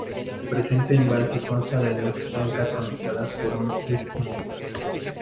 El presente embalse consta de dos cuencas conectadas por un istmo.